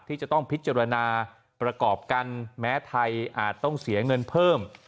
ที่จะต้องพิจารณาประกอบกันแม้ไทยอาจต้องเสียเงินเพิ่ม